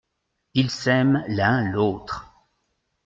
Ils s’aiment l’un l’autre.